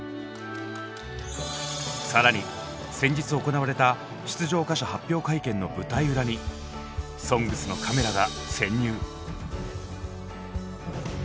更に先日行われた出場歌手発表会見の舞台裏に「ＳＯＮＧＳ」のカメラが潜入！